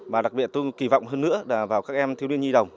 và đặc biệt tôi kỳ vọng hơn nữa là vào các em thiếu niên nhi đồng